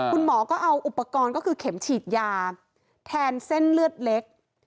คุณหมอก็เอาอุปกรณ์ก็คือเข็มฉีดยาแทนเส้นเลือดเล็ก